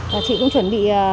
và chị cũng chuẩn bị